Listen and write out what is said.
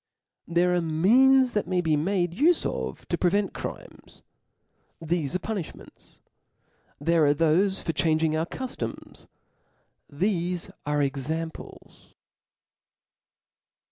There are means thkt may be made ufe of to prevent crimes; thefe are {»ini£hments : there are^thofe for changing our cuftoms ; thefe are examples.